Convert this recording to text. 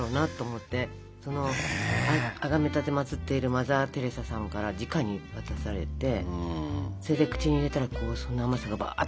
あがめ奉っているマザー・テレサさんからじかに渡されてそれで口に入れたらその甘さがばっと体に広がって。